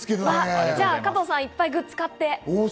じゃあ、加藤さんがいっぱいグッズを買って。